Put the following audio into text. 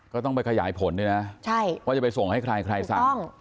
ก็ต้องไปขยายผลด้วยนะว่าจะไปส่งให้ใครใครสั่ง